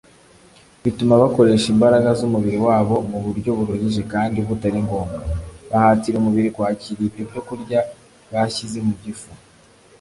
bituma bakoresha imbaraga z'umubiri wabo mu buryo buruhije kandi butari ngombwa, bahatira umubiri kwakira ibyo byokurya bashyize mu gifu